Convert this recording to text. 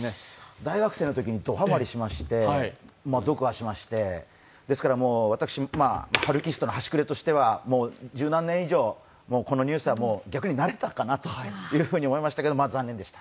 大学生のときにドハマりしまして読破しまして、ですから私、ハルキストの端くれとしてはもう十何年以上このニュースは逆に慣れたかなというふうに思いましたけど、まあ、残念でした。